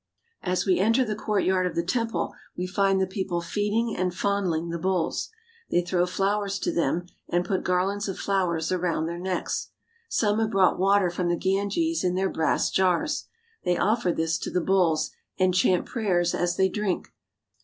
As we enter the courtyard of the temple we find the people feeding and fondling the bulls. They throw flowers to them, and put garlands of flowers around their necks. Some have brought water from the Ganges in their brass jars. They offer this to the bulls, and chant prayers as they drink.